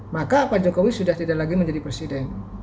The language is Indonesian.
maka pak jokowi sudah tidak lagi menjadi presiden